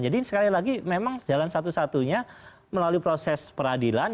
jadi sekali lagi memang jalan satu satunya melalui proses peradilan